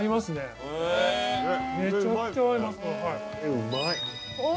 うまい！